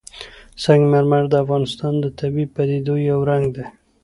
سنگ مرمر د افغانستان د طبیعي پدیدو یو رنګ دی.